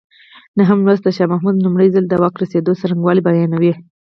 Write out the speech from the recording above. نهم لوست د شاه محمود لومړی ځل واک ته رسېدو څرنګوالی بیانوي.